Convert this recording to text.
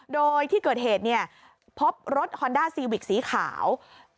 โดยที่เกิดเหตุพบรถฮอนด้าซีวิกสีขาว